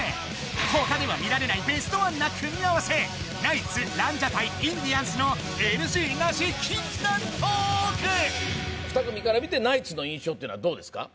他では見られないベストワンな組み合わせナイツランジャタイインディアンスの２組から見てナイツの印象っていうのはどうですか？